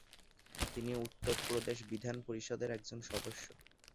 তিনি উত্তরপ্রদেশ বিধান পরিষদের একজন সদস্য।